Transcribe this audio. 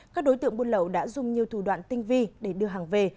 các đối tượng buôn lậu đã dùng nhiều thủ đoạn tinh vi để đưa hàng về